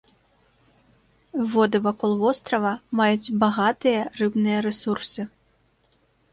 Воды вакол вострава маюць багатыя рыбныя рэсурсы.